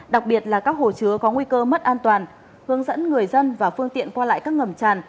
đặc biệt là các hồ chứa có nguy cơ mất an toàn hướng dẫn người dân và phương tiện qua lại các ngầm tràn